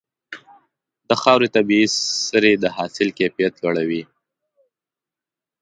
د خاورې طبيعي سرې د حاصل کیفیت لوړوي.